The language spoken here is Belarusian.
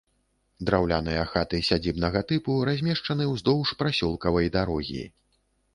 Драўляныя хаты сядзібнага тыпу размешчаны ўздоўж прасёлкавай дарогі.